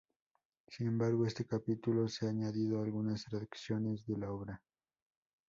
Sin embargo, este capítulo se ha añadido a algunas traducciones de la obra.